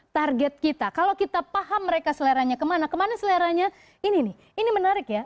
target kita kalau kita paham mereka seleranya kemana kemana seleranya ini nih ini menarik ya